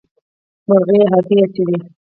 مرغۍ هګۍ اچوي.